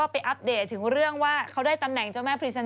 เปิดดูโฆษณาในโทรทัศน์